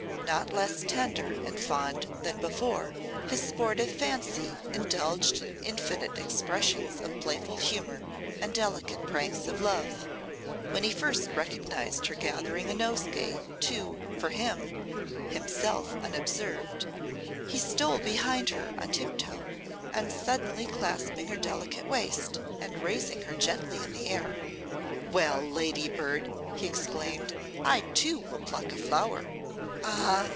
Not less tender and fond than before, his sportive fancy indulged in infinite expressions of playful humour and delicate pranks of love. When he first recognised her gathering a nosegay, too, for him, himself unobserved, he stole behind her on tiptoe, and suddenly clasping her delicate waist, and raising her gently in the air, 'Well, lady bird,' he exclaimed, 'I, too, will pluck a flower!' Ah!